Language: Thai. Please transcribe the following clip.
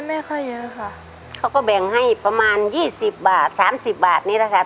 ไม่ค่อยเยอะค่ะเขาก็แบ่งให้ประมาณยี่สิบบาทสามสิบบาทนี้แหละค่ะ